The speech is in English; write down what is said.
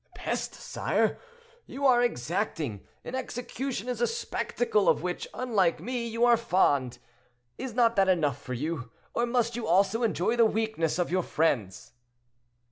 "Peste! sire, you are exacting; an execution is a spectacle of which, unlike me, you are fond. Is not that enough for you, or must you also enjoy the weakness of your friends?"